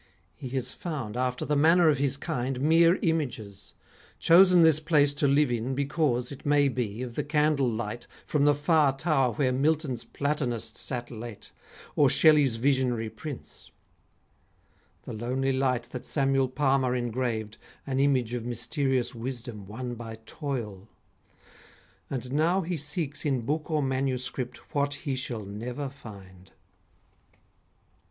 He has found, after the manner of his kind, Mere images; chosen this place to live in Because, it may be, of the candle light From the far tower where Milton's platonist Sat late, or Shelley's visionary prince: The lonely light that Samuel Palmer engraved, An image of mysterious wisdom won by toil; And now he seeks in book or manuscript What he shall never find.